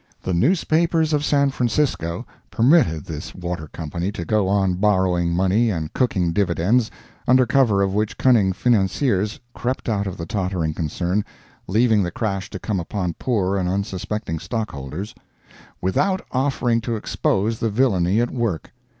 The newspapers of San Francisco permitted this water company to go on borrowing money and cooking dividends, under cover of which cunning financiers crept out of the tottering concern, leaving the crash to come upon poor and unsuspecting stockholders, without offering to expose the villainy at work.